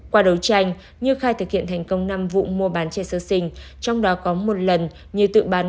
qua đấu tranh như khai thực hiện thành công năm vụ mua bán trẻ sơ sinh trong đó có một lần như tự bán